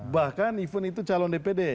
bahkan event itu calon dpd